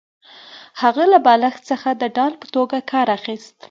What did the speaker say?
هغه له بالښت څخه د ډال په توګه کار اخیست